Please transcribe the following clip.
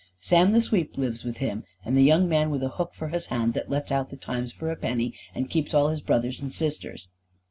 Sam the Sweep lives with him, and the young man with a hook for his hand that lets out the 'Times' for a penny, and keeps all his brothers and sisters."